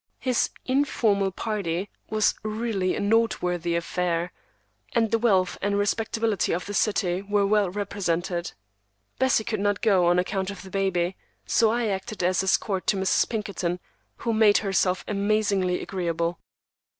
His "informal party" was really a noteworthy affair, and the wealth and respectability of the city were well represented. Bessie could not go, on account of the baby, so I acted as escort to Mrs. Pinkerton, who made herself amazingly agreeable.